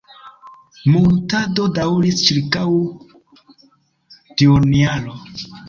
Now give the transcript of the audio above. Muntado daŭris ĉirkaŭ duonjaro.